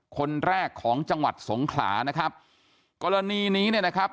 คนแรกของจังหวัดสงขลานะครับกรณีนี้เนี่ยนะครับ